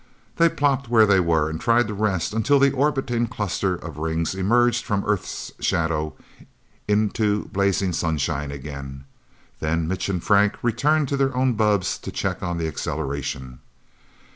They plopped where they were, and tried to rest until the orbiting cluster of rings emerged from Earth's shadow into blazing sunshine, again. Then Mitch and Frank returned to their own bubbs to check on the acceleration.